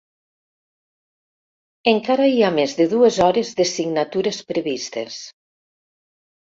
Encara hi ha més de dues hores de signatures previstes.